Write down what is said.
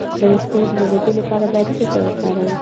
د ویښتو د ځلیدو لپاره باید څه شی وکاروم؟